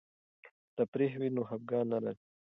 که تفریح وي نو خفګان نه راځي.